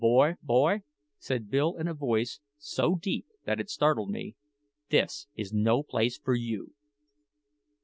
"Boy, boy," said Bill in a voice so deep that it startled me, "this is no place for you!"